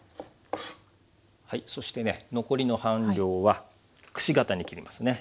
そしてね残りの半量はくし形に切りますね。